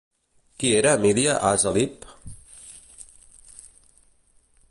Qui era Emília Hazelip?